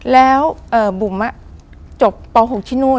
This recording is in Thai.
แล้วบุ๋มจบป๖ที่นู่น